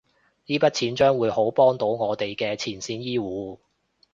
依筆錢將會好幫到我哋嘅前線醫護